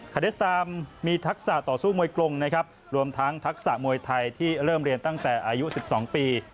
เดสตามมีทักษะต่อสู้มวยกรงนะครับรวมทั้งทักษะมวยไทยที่เริ่มเรียนตั้งแต่อายุ๑๒ปี